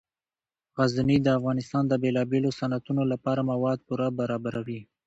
غزني د افغانستان د بیلابیلو صنعتونو لپاره مواد پوره برابروي.